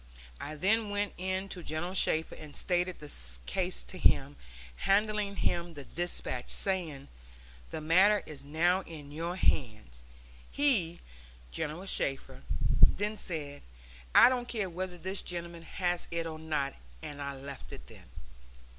I then went in to General Shafter and stated the case to him, handing him the despatch, saying, 'The matter is now in your hands.' He, General Shafter, then said, 'I don't care whether this gentleman has it or not,' and I left then.